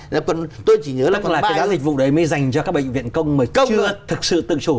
tức là cái giá dịch vụ đấy mới dành cho các bệnh viện công mà chưa thực sự tự chủ